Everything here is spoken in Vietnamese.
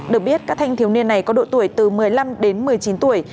được biết các thanh thiếu niên này có độ tuổi từ một mươi năm đến một mươi chín tuổi